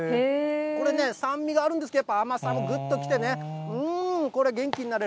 これ、酸味があるんですけれども、甘さもぐっときてね、うーん、これ、元気になる。